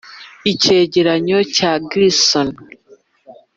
icyegeranyo cya gersony.